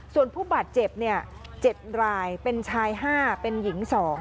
ส่วนผู้บาดเจ็บ๗รายเป็นชาย๕เป็นหญิง๒